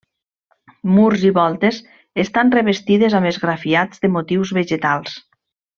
Murs i voltes estan revestides amb esgrafiats de motius vegetals.